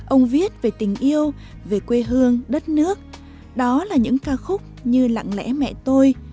ông viết về tình yêu về quê hương đất nước đó là những ca khúc như lặng lẽ mẹ tôi